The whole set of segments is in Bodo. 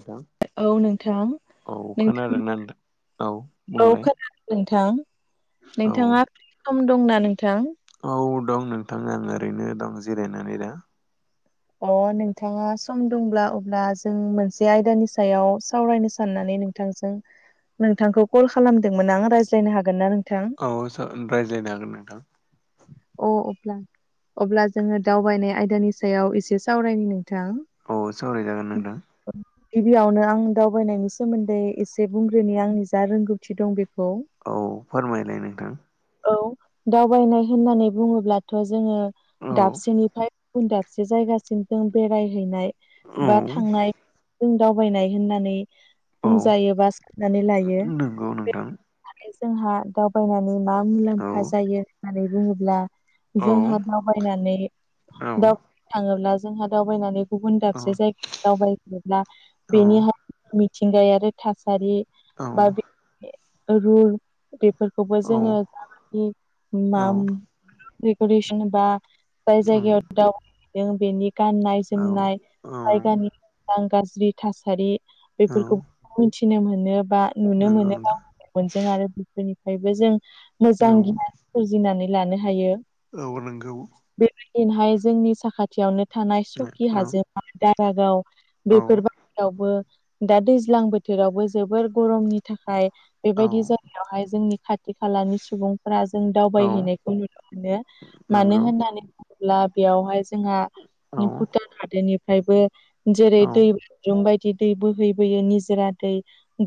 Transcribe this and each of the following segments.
नोंथां औ नोंथां औ नोंथां खोनादोंना नोंथां औ औ बुंलाय खोना [unintelligible] नोंथां औ नोंथाङा फ्रि सम दंना नोंथां? औ दं नोंथां आं ओरैनो दं जिरायनानै दा। अ' नोंथाङा सम दंब्ला अब्ला जों मोनसे आयदानि सायाव सावरायनो साननानै नों थांजों नोंथांखौ कल खालामदोंमोन आं रायज्लायनो हागोन ना नोंथां? औ सार रायज्लायनो हागोन नोंथां। अ 'अब्ला अब्ला जोङो दावबायनाय आयदानि सायाव एसे सावरायनि नोंथां। औ सावरायजागोन नोंथां। [unintelligible] गिबियावनो आं दावबायनायनि सोमोन्दै एसे बुंग्रोनि आंनि जा रोंगौथि दं बेखौ औ फोरमायलाय नोंथां। औ दावबायनाय होननानै बुङोब्लाथ' जोङो औ दाबसेनिफ्राय उन दाबसे जायगासिम जों बेरायहैनाय औ बा थांनाय जों दावबायनाय होननानै औ बुंजायो बा साननानै लायो। नंगौ नोंथां आरो जोंहा दावबायनानै मा औ मुलाम्फा जायो होननानै बुङोब्ला औ जोंहा दावबायनानै [unintelligible] थाङोब्ला जोंहा दावबायनानै गुबुन औ दाबसे जाय दावबायोब्ला बेनि मिथिंगायारि थासारि औ बा रुल बेफोरखौबो औ जोङो [unintelligible] माम [unintelligible] रेगुरेसन बा जाय जायगायाव दावबायहैदों बेनि गाननाय औ जोमनाय औ जायगानि मोजां गाज्रि थासारि औ बेफोरखौ मिथिनो मोनो बा नुनो नंगौ मोनो गावनि नोंथां [unintelligible] मेगनजों आरो बिफोरनिफ्रायबो जों मोजां औ गियान सोरजिनानै लानो हायो। औ नोंगौ बेबायदिनहाय जोंनि साखाथियावनो थानाय औ सकि औ हाजो दारागाव औ बेफोर बायदियावबो दा दैज्लां बोथोरावबो जोबोर गरमनि थाखाय बेबायदि जायगायाव हाय जोंनि खाथि खालानि सुबुंफोरा जों औ दावबायहैनायखौ नुनो मोनो मानो नंगौ होननानै बुङोब्ला बेयावहाय जों जोंहा औ भुटान हादोरनिफ्रायबो जेरै औ दै जुमबायदि [unintelligible] दि दै बोहैबोयो निजोरा दै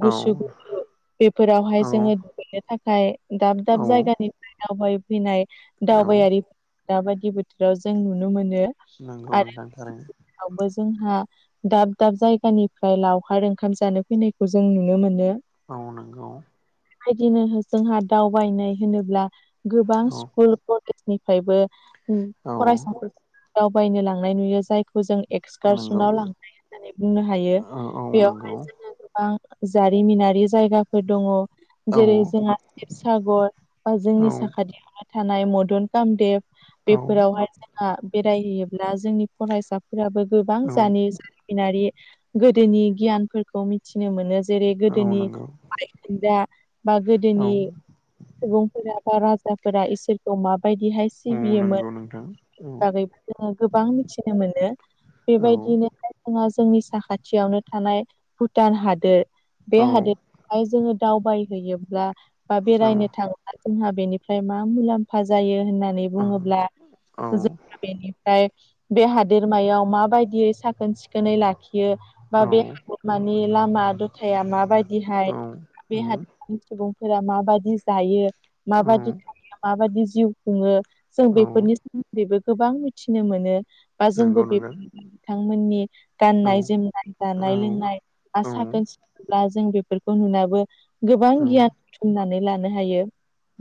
औ गुसु गुसु बेफोरावहाय औ जोङो दुगैनो थाखाय दाब औ दाब जायगानिफ्राय दावबाय फैनाय औ दावबायारि दाबायदि बोथोराव जों नुनो मोनो नोंगौ नोंथां थारैनो यावबो जोंहा दाब दाब जायगानिफ्राय लावखार ओंखाम जानो फैनायखौ जों नुनो मोनो। औ नोंगौ बेबायदिनो जोंहा दावबायनाय होनोब्ला गोबां औ स्कुल कलेजनिफ्रायबो औ फरायसाफोर दावबायनो लांनाय नुयो जायखौ जों नंगौ एक्सकारसनाव लांनाय होननानै बुंनो हायो औ औ नंगौ बेवहाय जोंङो गोबां जारिमिनारि जायगाफोर दङ औ जेरै जोंहा शिबसागर बा औ जोंनि साखाथियाव थानाय मदन कामदेब औ बेफोरावहाय बेरायहैयोब्ला जोंनि फरायसाफोराबो गोबां जानो। नारि गोदोनि गियानफोरखौ मिथिनो मोनो जेरै औ गोदोनि। नंगौ डा बा औ गोदोनि सुबुं। [unintelligible] राजाफोरा इसोरखौ माबायदिहाय। औ सिबियोमोन नंगौ नोंथां औ बागै जोङो गोबां मिथिनो मोनो औ बेबायदिनो। जोंहा जोंनि साखाथियावनो थानाय भुटान हादोर। औ बे हादोद हाय जोङो दावबायहैयोब्ला बा औ बेरायनो थाङोब्ला जोंहा बेनिफ्राय मा मुलाम्फा जायो होननानै औ बुङोब्ला औ जों हा बेनिफ्राय बे हादोरमायाव माबायदियै साखोन सिखोनै लाखियो बा बे औ हादरमानि लामा दथाया माबायदिहाय औ बे औ हाद सुबुंफोरा माबाददि जायो माबाददि थाङो माबाददि जिउ खुङो। जों बेफोरनि सोमोन्दैबो गोबां मिथिनो मोनो बा जोंबो नंगौ बे नोंथां बिथांमोननि औ गाननाय जोमनाय। जानाय औ लोंनाय औ आरो साखोन सिखोब्ला जों बेफोरखौ नुनाबो। गोबां गियानथुमनानै लानो हायो।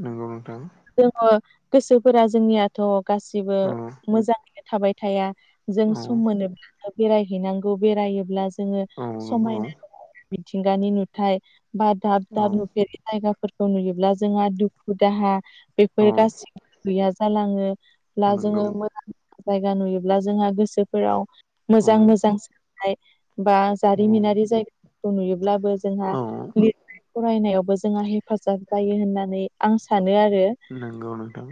नंगौ नोंथां जोङो गोसोफोरा जोंनियाथ गासिबो औ मोजाङैनो थाबाय थाया जों औ सम मोनोब्लानो बेरायहैनांगौ बेरायोब्ला। जोङो औ नंगौ समायना मिथिंगानि नुथाय बा दाब औ दाब नुफेर जायगाफोरखौ नुयोब्ला जोंहा दुखु दाहा बेफोर औ गाससिबो गैया जालाङो। नंगौ जोङो मोजां जायगा नुयोब्ला जोंहा गोसोफोराव औ मोजां मोजां। बा औ जारिमिनारि जायगाफोरखौ नुयोब्लाबो जोंहा। औ फरायनायावबो जोंहा हेफाजाब जायो होननानै आं सानो आरो। नंगौ नोंथां।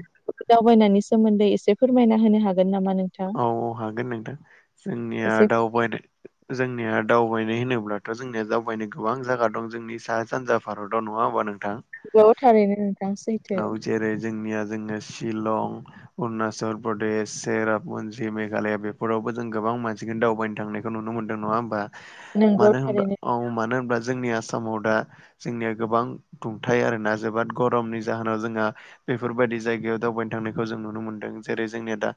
दावबायनायनि सोमोन्दै एसे फोरमायना होनो हागोन नामा नों औ औ हागोन नोंथां जोंनिया एसे दावबायनो। जोंनिया दावबायनाय होनोब्लाथ जोंनिया दावबायनो गोबां जाया दं जोंनि साहा सानजा। भारताव नङा होनोमबा नोंथां। बे थारैनो नोंथां सैथो। औ जेरै जोंनिया जोङो शिलं अरुनाचल प्रदेश सेर बनसि मेघालया बेफोरावबो जों गोबां मानसिखौनो दावबायनो थांनायखौ नुनो मोनदों नङा होमबा। नंगौ मानो होन थारैनो औ मानो होनब्ला जोंनि आसामाव दा। जोंनिया गोबां दुंथाय आरोना जोबोद गरमनि जाहोनाव जोंहा। बेफोरबायाददि जायगायाव दावबायनो थांनायखौ जों नुनो मोनदों जेरै जोंनिया दा।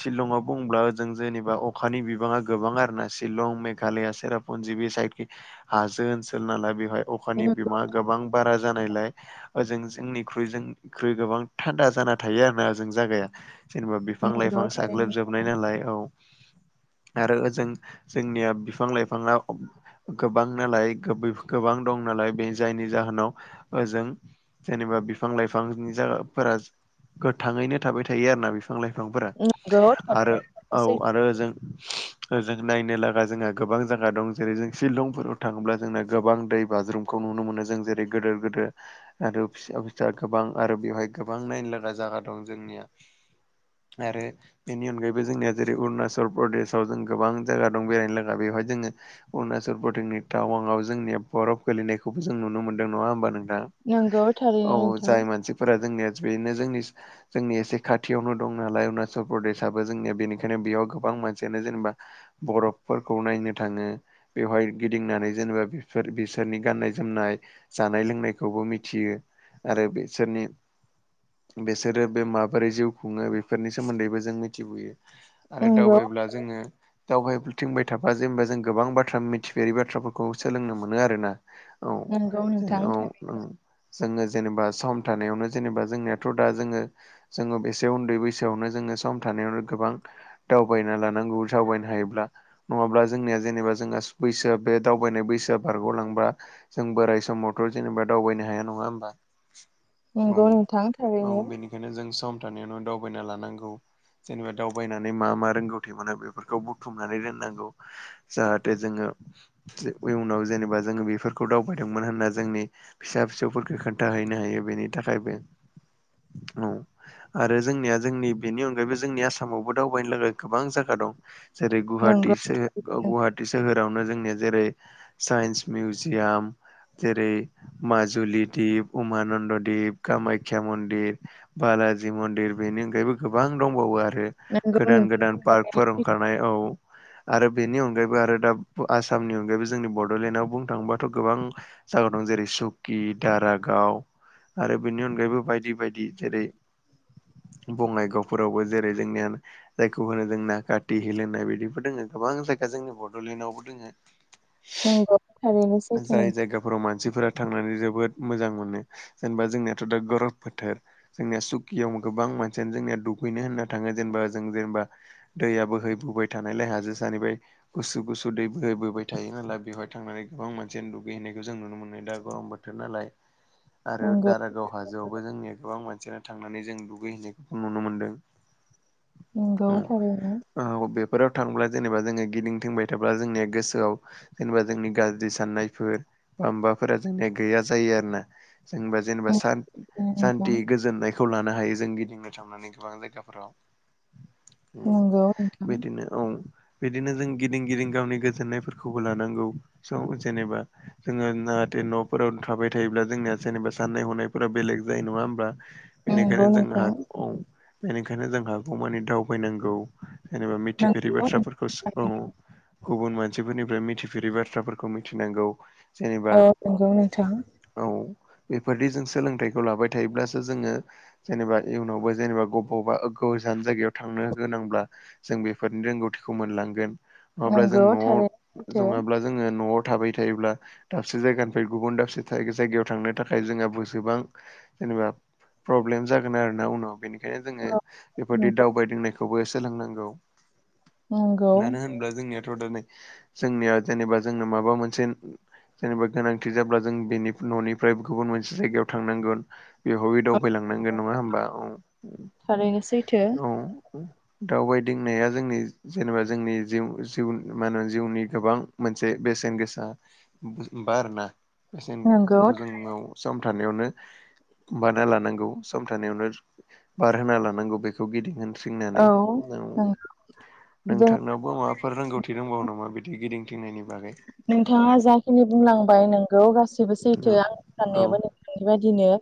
शिलंआव बुंब्ला जों जेनेबा अखानि बिबाङा गोबां आर ना शिलं मेघालया सेरा अनजिबि साइकि हाजो ओनसोल नालाय बेवहाय अखानि बिमाङा गोबां बारा जानायलाय। ओजों जोंनिख्रुइ जनिख्रुइ गोबां थान्दा जाना थायो आरो ना ओजों जायगाया। जेनेबा बिफां नंगौ लाइफां थारैनो साग्लोबजोबनाय नालाय औ। आरो ओजों जोंनिया बिफां लाइफाङा। गोबां नालाय गोबां दं नालाय बे जायनि जाहोनाव ओ जों। जेनेबा बिफां लाइफांनि जागाफोरा। गोथाङैनो थाबाय थायो आरो ना बिफां लाइफांफोरा। नंगौ आरो थारैनो औ सैथो आरो ओ जों। जों नायनो लागा जोंहा गोबां जाया दं जेरै जों शिलंफोराव थाङोब्ला जोंना गोबां दै बाज्रुम। खौ नुनो मोनो जों जेरै गोदोर गोदोर। आरो फिसा गोबां आरो बेवहाय गोबां नायनोलागा जायगा दं जोंनिया। आरो बेनि अनगायैबो जोंनिया जेरै अरुणाचल प्रदेशआव जों गोबां जायगा दं बेरायनोलागा बेवहाय जोङो। अरुणाचल प्रदेशनि टावांआव जोंनिया बरफ गोेलैनायखौबो जों नुनो मोनदों नङा होमबा नोंथां। नंगौ थारैनो औ नोंथां जाय मानसि। फोर जोंनिया बेनो जोंनि जोंनि एसे खाथियावनो दं नालाय उत्चल प्रदेशाबो जोंनिया बेनिखायनो बेयाव गोबां मानसियानो जेनेबा। बरफफोरखौ नायनो थाङो। बेवहाय गिदिंनानै जेनेबाफोर बिसोरनि गाननाय जोमनाय। जानाय लोंनायखौबो मिथियो आरो बिसोरनि बेसोरो बे माबोरै जिउ खुङो बेफोरनि। सोमोन्दैबो जों मिथिबोयो आरो नंगौ दावबायायोब्ला जोङो। दावहाय बुथिंबाय थाबा जेनबा जों गोबां बाथ्रा मिथिफेरि बाथ्राफोरखौ सोलोंनो मोनो आरोना। औ नंगौ नोंथां जेने औ उम जोङो जेनेबा सम थानायावनो जेनेबा जोंनियाथ दा जोङो। जोङो बेसे उन्दै बैसोआवनो जोङो सम थानायावनो गोबां। दावबायना लानांगौ दावबायनो हायोब्ला नङाब्ला जोंनिया जेनेबा जोंहा बैसोआ बे दावबायनाय बैसोआ बारग'लांबा जों बोराय समावथ' जेनेबा दावबायनो हाया नङा होमबा। नंगौ नोंथां थारैनो बेखायनो जों सम थानायावनो दा दावबायना लानांगौ जेनेबा दावबायनानै मा मा रोंगौथि मोनो बेफोरखौ बुथुमनानै दोननांगौ। जाहाथे जोङो उयनाव जेनेबा जोङो बेफोरखौ दावबायदोंमोन होनना जोंनि। फिसा फिसौफोरखौ खोन्थाहैनो हायो बेनि थाखायबो औ आरो जोंनिया जोंनि बेनि अनगायैबो जोंनि आसामावबो दावबायनो थाखाय गोबां जायगा दं। जे रै नंगौ गुवाहाटिस गुवाहाटि सोहोरावनो जोंनिया जेरै साइन्स मिउजियाम जेरै माजुलि दीप उमानन्द दिप कामााख्या मन्दिर बालाजि मन्दिर बेनि अनगायैबो गोबां दंबावो आरो नंगौ गोदान गोदान नोंथां पार्क फोरोंखानाय औ आरो बेनि अनगायैबो आरो दा आसामनि अनगायैबो जोंनि बड'लेण्डआव बुंनो थांबाथ' गोबां जायगा दं जेरै सुकि दारागाव आरो बेनि अनगायैबो बायदि बायदि जेरै बङाइगावफोरावबो जेरै जोंनियानो जायखौ होनो जोंनाा काथि हेल होननाय बिदिबो दङ गोबां जायगा जोंनि बड'लेण्डआवबो दोङो नंगौ थारैनो सैथो नंगौ फोराव मानसिफोरा थांनानै जोबोद मोजां मोनो जेनेबा जोंनियाथ' दा गरम फोथार [unintelligible] जोंनिया सुखियाव गोबां मानसियानो जोंनिया दुगैनो होनना थाङो जेनेबा जों जेनेबा। दैया बोहैबोबाय थानायलाय हाजो सानिबाय गुसु गुसु दै बोहैबाय थायो नाय बेवहाय थांनानै गोबां मानसिानो दुगैहैायखौ जों नुनो मोनो दा गरम बोथोर नालाय [inaudible] आरो दारागाव हाजोआवबो जोंनि गोबां मानसियानो थांनानै जों दुगैहैनायखौ नुनो मोनदों। औ नंगौथारैनो बेफोराव थांब्ला जेनेबा जोङो गिदिं थंबाय थाब्ला जोंनिया गोसोआव। जेनेबा जोंनि गाज्रि साननायफोर बा माबाफोरा जोंनिया गैया जायो आरो ना जेनबा जेनेबा नोंथां सान्ती गोजोननायखौ लानो हायो। जों गिदिंनो थांनानै गोबां जायगाफोराव नंगौ नोंथां बिदिनो औ बिदिनो जों गिदिं गिदिं गावनि गोजोननायफोरखौबो लानांगौ सम जेनेबा जोङो जाहाथे न'फोराव थाबाय थायोब्ला जोंनिया जेनेबा साननाय हनायफोरा बेलेग जायो नङा होमबा। नंगौ बेनिखायनो जों हा नोंथां बेनिखायनो जों हाखौ मानि दावबायनांगौ। जेनेबा मिथिफेरि नंगौ बाथ्राफोरखौ औ गुबुन मानसिफोरनिफ्राय मिथिफेरै बाथ्राफोरखौ मिथिनांगौ जेनेबा औ नंगौ नोंथां। औ बेफोरदि जों सोलोंथाइखौ लाबाय थायोब्लासो जोङो। जेनेबा इयुनावबो जेनेबा बबावबा गोजान जायगायाव थांनो गोनांब्ला जों बेफोरनि रोंगौथिखौ मोनलांगोन नङाब्ला जों नंगौ थारैनो न'आव सैथो जङाब्ला जोङो न'आव थाबाय थायोब्ला दाबसे जायगानिफ्राय गुबुन दाबसे थाय जायगायाव थांनो थाखाय जोंहा जेसेबां जेनेबा ब्लेम जागोन आरोना उनाव बेनिखायनो जोङो औ बेफोरदि नंगौ दावबायदिनायखौबो सोलोंनांगौ नंगौ मानो होनोब्ला जोंनियाथ' दिनै जोंनिया जेनेबा जोंनो माबा मोनसे जेनेबा गोनांथि जाब्ला जों बेनि न'निफ्राय गुबुन मोनसे जायगायाव थांनांगोन बेवहाय आवगायलांनांगोन नङा होमबा औ थारैनो सैथो। औ दावबायदिंनाया जोंनि जेनेबा जोंनि जिउ जिउ मा होनो जिउनि गोबां मोनसे बेसेन गोसा बा आरोना बेसेन नंगौ औ [unintelligible] सम थानायावनो बानायना लानां गौ सम थानायावनो बारहोना लानांगौ बेखौ गिदिं होन सिंनानै नाव नंगौ जों नोंथांनाव माफोर रोंगौथि रोंबावो नामा बिदि गिदिंथिंनायनि बागै? नोंथाङा जाखिनि बुंलांबाय नोंगौ गासिबो सैथो औ आं औ साननायाबो नोंथांनि बायदिनो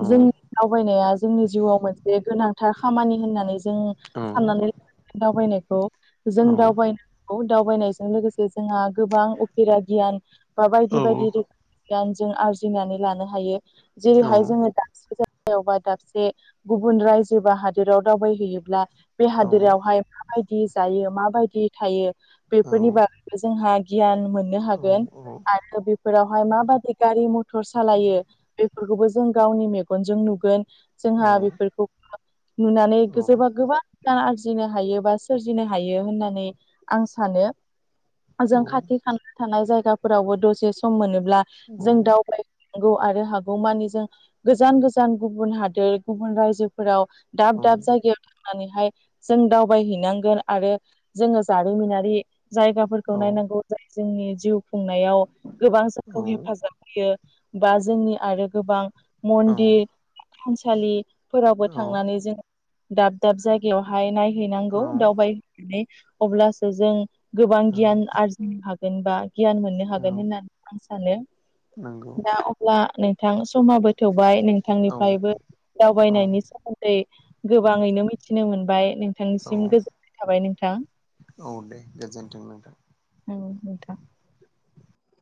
औ जों दावबायनाया जोंनि जिउआव मोनसे गोनांथार खामानि होननानै जों औ साननानै लानांगोन दावबायनायखौ जों औ दावबायनांगौ दावबायनायजों लोगोसे जोंहा गोबां उफेरा गियान बा बायदि औ बायदि रोखोमनि गियान जों आरजिनानै लानो हायो। औ जेरैहाय जोङो दाबसे जाय गायाव बा दाबसे गुबुन रायजो बा हादोराव दावबायहैयोब्ला बे औ हादोरावहाय माबायदि जायो माबायदि थायो औ बेफोरनि बागैबो जोंहा गि गियान मोननो औ हागोन आरो बेफोरावहाय माबादि गारि मथर सालायो बेफोरखौबो जों गावनि मेगनजों नुगोन जोंहा बेफोरखौ नुनानै जोबा गोबा आरजिनो हायो बा सोरजिनो हायो होननानै आं सानो। जों खा थान-थानाय जायगाफोरावबो दसे सम मोनोब्ला जों दावबाय नंगौ आरो हागौ मानि जों गोजान गोजान गुबुन हादोर गुबुन रायजोफोराव दाब दाब जागायाव नानैहाय जों दावबायहैनांगोन आरो जोङो जारिमिनारि जायगा फोरखौ नायनांगौ जाय जोंनि जिउ खुंनायाव गोबां जोंखौ हेफाजाब होयो बा जोंनि आरो गोबां मन्दिर थानसालि फोरावबो औ थांनानै जोङो दाब दाब जायगायावहाय औ नायहैनांगौ दावबायहैनानै अब्लासो जों गोबां गियान आरजिनो हागोनबा गियान मोननो हागोन औ होननानै आं सानो नंगौ दा अब्ला नोंथां समाबो थौबाय औ नोंथांनिफ्रायबो औ दावबायनायनि सोमोन दै गोबाङैनो मिथिनो मोनबाय औ नोंथांनिसिम गोजोननाय थाबाय नोंथां औ दे गोजोनथों नोंथां। औ नोंथां।